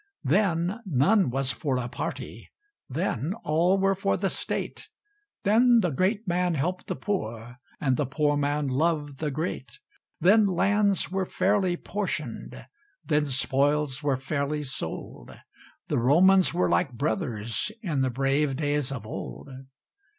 Then none was for a party; Then all were for the State; Then the great man helped the poor, And the poor man loved the great; Then lands were fairly portioned; Then spoils were fairly sold; The Romans were like brothers In the brave days of old.